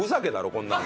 こんなの。